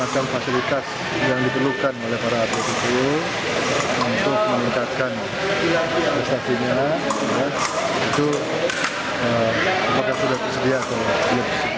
mensos juga memberikan semangat bagi para atlet untuk menampilkan kemampuan terbaik mereka pada asean para games mendatang